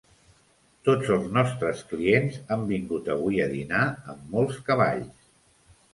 Tots els nostres clients han vingut avui a dinar amb molts cavalls.